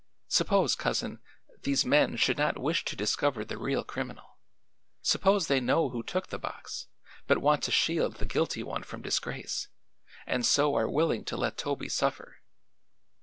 Suppose, Cousin, these men should not wish to discover the real criminal. Suppose they know who took the box, but want to shield the guilty one from disgrace, and so are willing to let Toby suffer?"